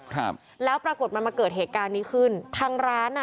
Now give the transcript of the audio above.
ครับแล้วปรากฏมันมาเกิดเหตุการณ์นี้ขึ้นทางร้านอ่ะ